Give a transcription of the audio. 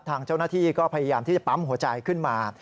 ทางเจ้าหน้าที่ก็พยายามที่จะจัดเตี๊ยมโทรไฟขึ้นมา